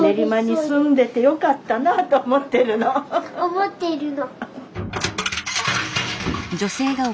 思ってるの。